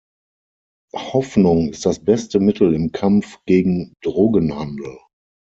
Hoffnung ist das beste Mittel im Kampf gegen Drogenhandel.